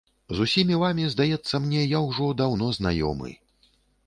З усімі вамі, здаецца мне, я ўжо даўно знаёмы.